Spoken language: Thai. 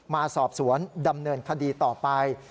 มาสอบสวนดำเนินคดีต่อไป